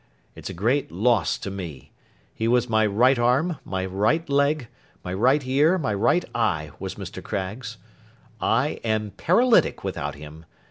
It's a great loss to me. He was my right arm, my right leg, my right ear, my right eye, was Mr. Craggs. I am paralytic without him.